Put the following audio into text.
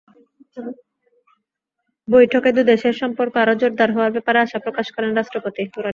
বৈঠকে দুদেশের সম্পর্ক আরও জোরদার হওয়ার ব্যাপারে আশা প্রকাশ করেন রাষ্ট্রপতি।